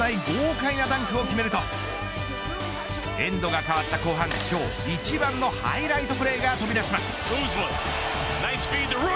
ディフェンスをものともしない豪快なダンクを決めるとエンドが替わった後半今日一番のハイライトプレーが飛び出します。